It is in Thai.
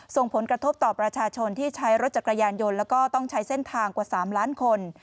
ส่งผลกระทบต่อประชาชนที่ใช้รถจักรยานยนต์แล้วก็ต้องใช้เส้นทางกว่า๓ล้านคน